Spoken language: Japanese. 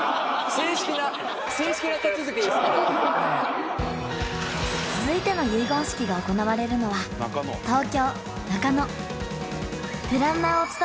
正式な続いての結言式が行われるのは東京中野